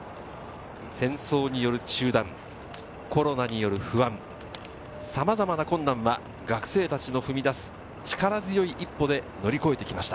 戦争による中断、コロナによる不安、さまざまな困難は学生たちの踏み出す力強い一歩で乗り越えてきました。